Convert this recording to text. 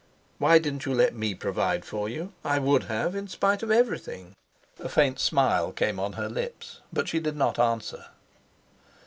"Why didn't you let me provide for you? I would have, in spite of everything." A faint smile came on her lips; but she did not answer.